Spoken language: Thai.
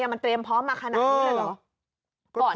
มันเตรียมพร้อมมาขนาดนี้เลยเหรอ